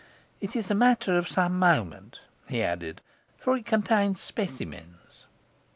'It is a matter of some moment,' he added, 'for it contains specimens.